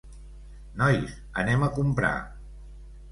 Nois, anem a comprar.